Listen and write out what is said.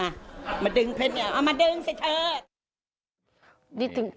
เอามาเล่นฉันให้มามาดึงเพื่อนหน่อยเอามาดึงสิเถอะ